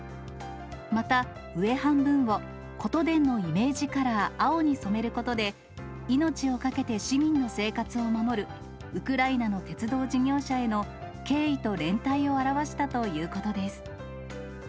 また、上半分をことでんのイメージカラー、青に染めることで、命を懸けて市民の生活を守る、ウクライナの鉄道事業者への敬意と連帯を表したということです。